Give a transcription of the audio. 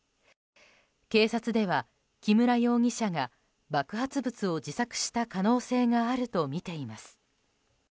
警察では木村容疑者が爆発物を自作した可能性があるとみています。